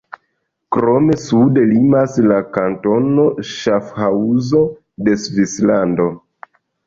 Krome sude limas la kantono Ŝafhaŭzo de Svislando.